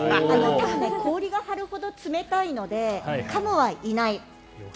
氷が張るほど冷たいのでカモはいない。